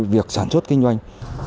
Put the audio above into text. việc sản xuất kinh doanh